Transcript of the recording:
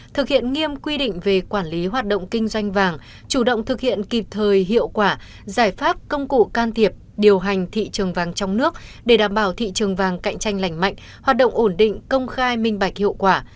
thực hiện nghiêm quy định về quản lý hoạt động kinh doanh vàng chủ động thực hiện kịp thời hiệu quả giải pháp công cụ can thiệp điều hành thị trường vàng trong nước để đảm bảo thị trường vàng cạnh tranh lành mạnh hoạt động ổn định công khai minh bạch hiệu quả